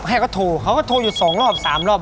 ให้เขาโทรเขาก็โทรอยู่๒รอบ๓รอบ